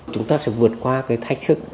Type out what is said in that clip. chúng ta sẽ vượt qua cái thách thức